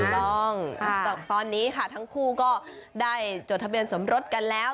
เป็นเนื้อการนะต้องตอนนี้ค่ะทั้งคู่ก็ได้จดทะเบียนสมรสกันแล้ว